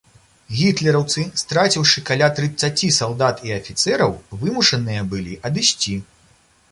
Гітлераўцы, страціўшы каля трыццаці салдат і афіцэраў, вымушаныя былі адысці.